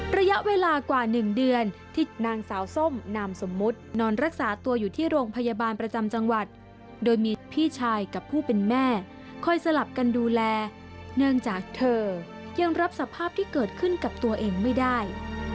ระยะเวลากว่า๑เดือนที่นางสาวส้มนามสมมุตินอนรักษาตัวอยู่ที่โรงพยาบาลประจำจังหวัดโดยมีพี่ชายกับผู้เป็นแม่คอยสลับกันดูแลเนื่องจากเธอยังรับสภาพที่เกิดขึ้นกับตัวเองไม่ได้